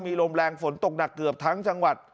มีลมแรงฝนตกหนักเกือบทั้งจังหวัด